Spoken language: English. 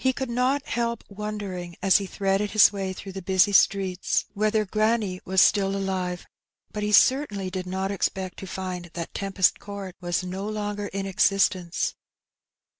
He coold not help wondering as he threaded bis way through the busy streets whether granny 280 Her Benny. was still alive^ bat he certainly did not expect to find that Tempest Court was no longer in existence.